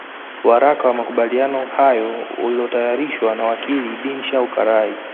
Waraka wa makubaliano hayo ulotayarishwa na Wakili Dinshaw Karai